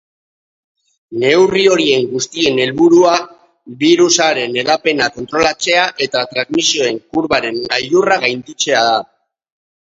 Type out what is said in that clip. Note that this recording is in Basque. Neurri horien guztien helburua birusaren hedapena kontrolatzea eta transmisioen kurbaren gailurra gainditzea da.